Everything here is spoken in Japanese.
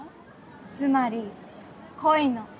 つまり恋の。